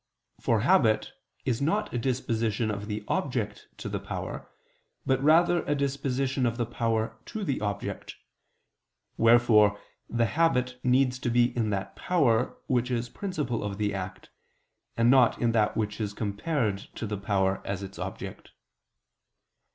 For habit is not a disposition of the object to the power, but rather a disposition of the power to the object: wherefore the habit needs to be in that power which is principle of the act, and not in that which is compared to the power as its object.